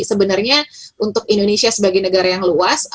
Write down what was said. sebenarnya untuk indonesia sebagai negara yang luas